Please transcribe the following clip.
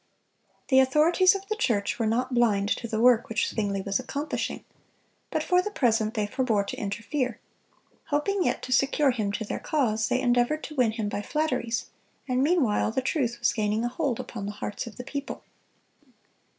The authorities of the church were not blind to the work which Zwingle was accomplishing; but for the present they forbore to interfere. Hoping yet to secure him to their cause, they endeavored to win him by flatteries; and meanwhile the truth was gaining a hold upon the hearts of the people.